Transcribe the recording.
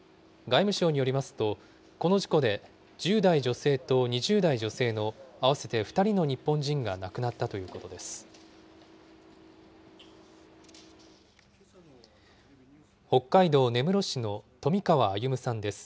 外務省によりますと、この事故で１０代女性と２０代女性の合わせて２人の日本人が亡くなったということです。